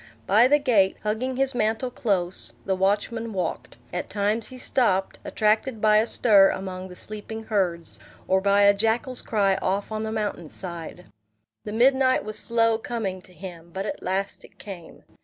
By the gate, hugging his mantle close, the watchman walked; at times he stopped, attracted by a stir among the sleeping herds, or by a jackal's cry off on the mountain side. The midnight was slow coming to him; but at last it came.